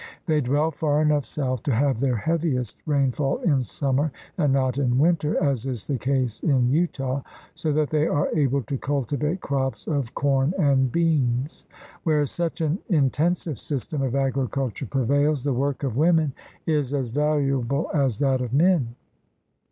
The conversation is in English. They dwell far enough south to have their heaviest rainfall in summer and not in winter, as is the case in Utah, so that they are able to cultivate crops of corn and beans. Where such an intensive system of agriculture prevails, the work of women is as valuable as that of men.